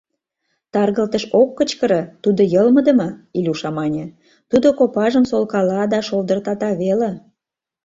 — Таргылтыш ок кычкыре, тудо йылмыдыме, — Илюша мане, — тудо копажым солкала да шолдыртата веле...